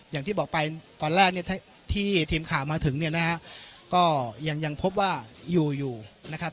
อย่างที่บอกไปตอนแรกเนี่ยที่ทีมข่าวมาถึงเนี่ยนะฮะก็ยังพบว่าอยู่อยู่นะครับ